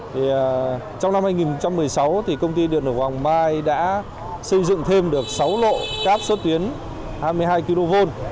trong năm hai nghìn một mươi sáu công ty điện đồng hồng mai đã xây dựng thêm được sáu lộ cáp số tuyến hai mươi hai kv